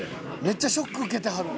「めっちゃショック受けてはる」